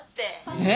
えっ？